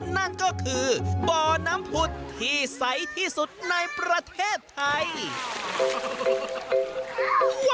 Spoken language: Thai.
นั่นก็คือบ่อน้ำผุดที่ใสที่สุดในประเทศไทย